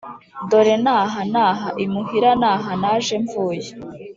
dore n’aha n’aha imuhira n’aha naje mvuye